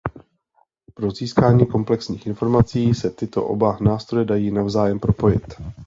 Pro získání komplexních informací se tyto oba nástroje dají navzájem propojit.